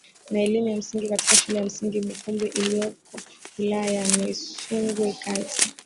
na elimu ya msingi katika Shule ya Msingi Bukumbi iliyoko wilaya ya Misungwi kati